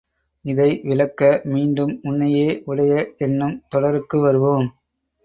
இதை விளக்க மீண்டும் உன்னையே உடைய என்னும் தொடருக்கு வருவோம்.